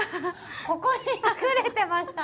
ここに隠れてましたね。